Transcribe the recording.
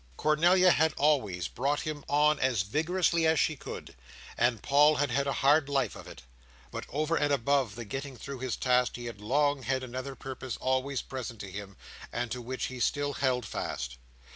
Cornelia had always brought him on as vigorously as she could; and Paul had had a hard life of it. But over and above the getting through his tasks, he had long had another purpose always present to him, and to which he still held fast.